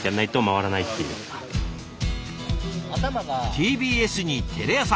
ＴＢＳにテレ朝。